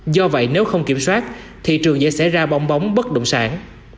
do vậy nếu không kiểm soát thì trường sẽ ra bong bóng bất đồng sản